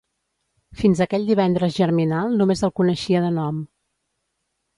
Fins aquell divendres germinal només el coneixia de nom.